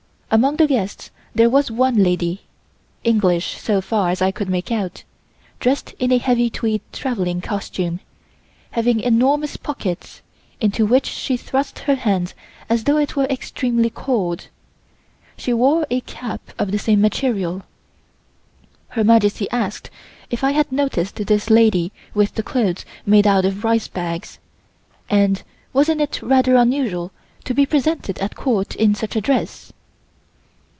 Among the guests there was one lady (English so far as I could make out) dressed in a heavy tweed travelling costume, having enormous pockets, into which she thrust her hands as though it were extremely cold. She wore a cap of the same material. Her Majesty asked if I had noticed this lady with the clothes made out of "rice bags," and wasn't it rather unusual to be presented at Court in such a dress.